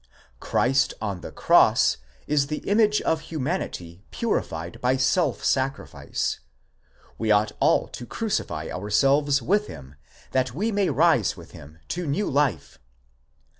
Christ on the cross is the image of humanity purified by self sacrifice; we ought all to crucify ourselves with him, that we may rise with him to new life.